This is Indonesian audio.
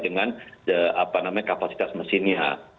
dengan kapasitas mesinnya